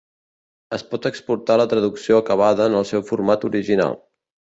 Es pot exportar la traducció acabada en el seu format original.